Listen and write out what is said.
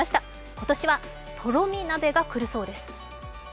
今年はとろみ鍋がくるそうです。